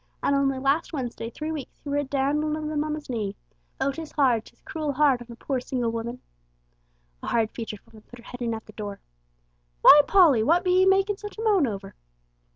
An' only last Wednesday three weeks he were a dandlin' of 'em on his knee. Oh, 'tis hard, 'tis cruel hard on a poor, single woman!" A hard featured woman put her head in at the door. "Why, Polly, what be 'ee makin' such a moan over?"